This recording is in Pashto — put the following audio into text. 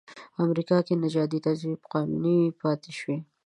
امریکا کې نژادي تبعیض قانوني پاتې شو.